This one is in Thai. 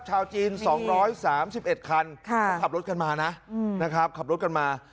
ชาวจีน๒๓๑คันเขาขับรถกันมานะนะครับขับรถกันมา